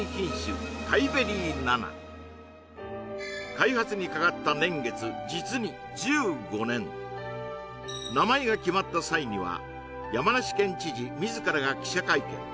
開発にかかった年月実に１５年名前が決まった際には山梨県知事自らが記者会見